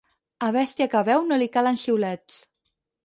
A bèstia que beu no li calen xiulets.